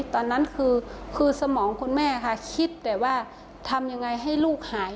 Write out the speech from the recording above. ตอนนั้นคือสมองคุณแม่ค่ะคิดแต่ว่าทำยังไงให้ลูกหาย